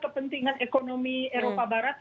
kepentingan ekonomi eropa barat